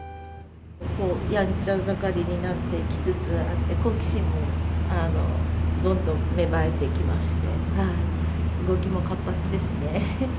やんちゃ盛りになってきつつあって、好奇心もどんどん芽生えてきまして、動きも活発ですね。